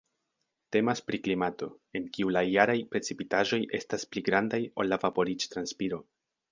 Temas pri klimato, en kiu la jaraj precipitaĵoj estas pli grandaj ol la vaporiĝ-transpiro.